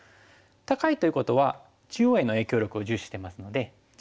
高いということは中央への影響力を重視してますのでじゃあ